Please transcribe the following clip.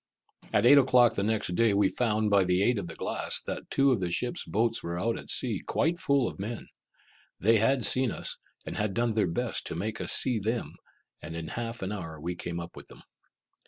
At eight o'clock the next day we found, by the aid of the glass, that two of the ship's boats were out at sea, quite full of men. They had seen us, and had done their best to make us see them, and in half an hour we came up with them.